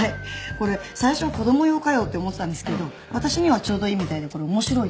これ最初は子ども用かよって思ってたんですけど私にはちょうどいいみたいで面白いです。